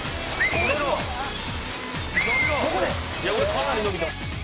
「これかなり伸びてます」